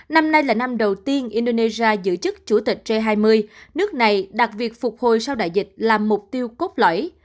năm nay là năm đầu tiên indonesia giữ chức chủ tịch g hai mươi nước này đặt việc phục hồi sau đại dịch là mục tiêu cốt lõi